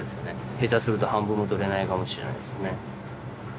下手すると半分もとれないかもしれないっすね。